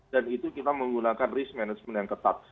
dan itu kita menggunakan risk management yang ketat